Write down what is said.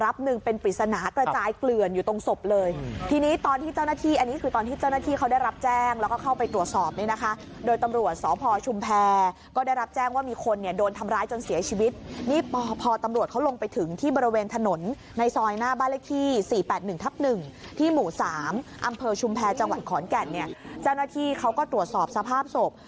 ขอนแก่นเนี่ยเจ้าหน้าที่เขาก็ตรวจสอบสภาพศพ